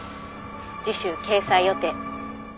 「次週掲載予定」